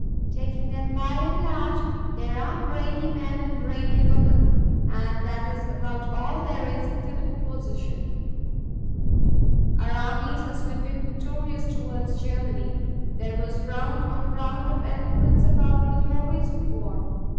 . Taking them by and large, there are brainy men and brainy women, and that is about all there is to the proposition." Our armies were sweeping victorious toward Germany. There was round on round of eloquence about the glories of war.